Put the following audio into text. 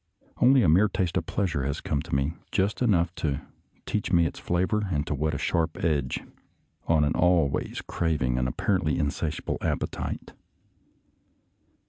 Only a mere taste of pleasure has come to me, just enough to teach me its flavor and to whet a sharp edge on an always craving and apparently insatiable appetite.